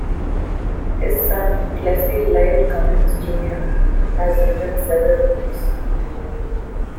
His son, Clessie Lyle Cummins Junior, has written several books.